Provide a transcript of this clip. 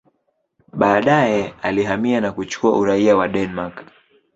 Baadaye alihamia na kuchukua uraia wa Denmark.